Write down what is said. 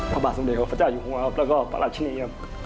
ภระบาทสมเดตหรืออัพพระเจ้าอยู่ของเราแล้วก็ปราชนิย์